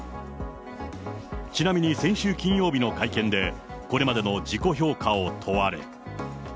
ちなみに先週金曜日の会見で、これまでの自己評価を問われ。